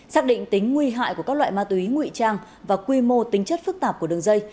xác định tính nguy hại của các loại ma túy nguy trang và quy mô tính chất phức tạp của đường dây